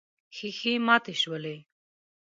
ښيښې ماتې شولې.